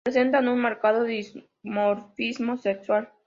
Presentan un marcado dimorfismo sexual.